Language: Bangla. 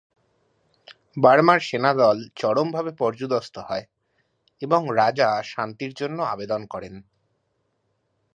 বার্মার সেনাদল চরমভাবে পর্যুদস্ত হয় এবং রাজা শান্তির জন্য আবেদন করেন।